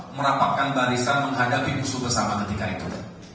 merapatkan barisan menghadapi musuh bersama ketika itu